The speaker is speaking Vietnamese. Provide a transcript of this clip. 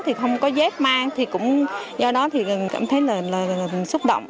thì không có dép mang thì cũng do đó thì cảm thấy là xúc động